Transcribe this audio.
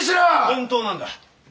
本当なんだ。